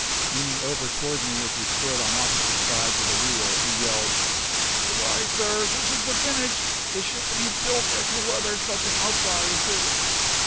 Leaning over toward me as we stood on opposite sides of the wheel, he yelled: "Good bye, sir! This is the finish. The ship ain't built that could weather such an outfly as this!"